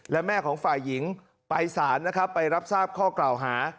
และแม่ของฝ่ายหญิงไปสารนะครับไปรับทราบข้อกล่าวหา